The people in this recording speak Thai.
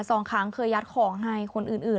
สองครั้งเคยยัดของให้คนอื่น